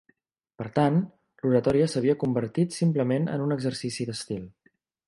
Per tant, l'oratòria s'havia convertit simplement en un exercici d'estil.